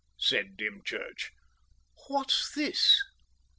said Dymchurch, "what's this?"